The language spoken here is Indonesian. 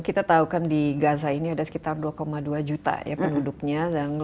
kita tahu kan di gaza ini ada sekitar dua dua juta penduduknya